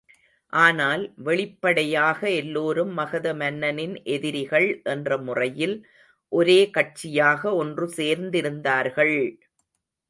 ஆனால், வெளிப்படையாக எல்லோரும் மகத மன்னனின் எதிரிகள் என்ற முறையில் ஒரே கட்சியாக ஒன்று சேர்ந்திருந்தார்கள்!